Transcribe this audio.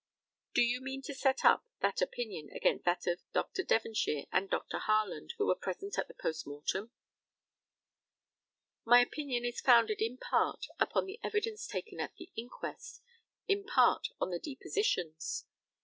Do you mean to set up that opinion against that of Dr. Devonshire and Dr. Harland, who were present at the post mortem? My opinion is founded in part upon the evidence taken at the inquest, in part on the depositions.